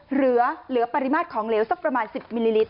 เหลือปริมาตรของเหลวสักประมาณ๑๐มิลลิลิตร